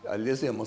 もう